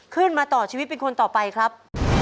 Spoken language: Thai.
ขึ้นมาต่อชีวิตเป็นคนต่อไปครับ